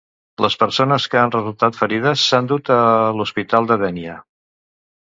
Les persones que han resultat ferides s'han dut a l'Hospital de Dénia.